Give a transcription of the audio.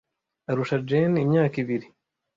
Arusha Jane imyaka ibiri.